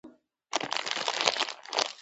آیا د کرکټ لوبه اوس په پښتنو کې ډیره مشهوره نه ده؟